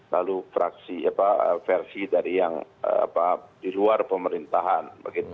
lalu versi dari yang di luar pemerintahan